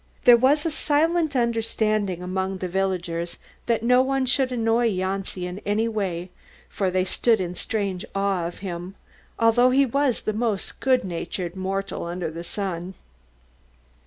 There was a silent understanding among the villagers that no one should annoy Janci in any way, for they stood in a strange awe of him, although he was the most good natured mortal under the sun.